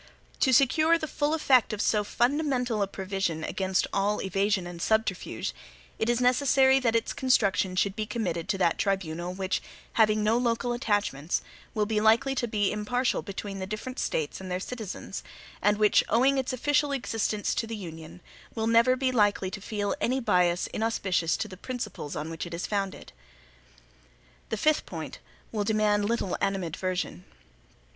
To secure the full effect of so fundamental a provision against all evasion and subterfuge, it is necessary that its construction should be committed to that tribunal which, having no local attachments, will be likely to be impartial between the different States and their citizens, and which, owing its official existence to the Union, will never be likely to feel any bias inauspicious to the principles on which it is founded. The fifth point will demand little animadversion.